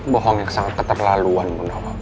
bohong yang sangat keterlaluan bunda wong